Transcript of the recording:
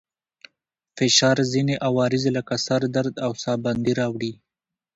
فشار ځينې عوارض لکه سر درد او ساه بندي راوړي.